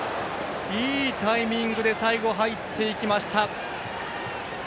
いいタイミングで最後、入っていきました。